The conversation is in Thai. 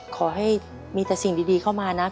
ขอให้มีแต่สิ่งดีเข้ามานะ